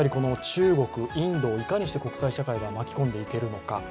中国、インドをいかにして国際社会が巻き込んでいけるのか。